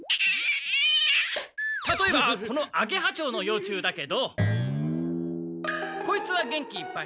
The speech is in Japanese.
たとえばこのアゲハチョウの幼虫だけどこいつは元気いっぱい。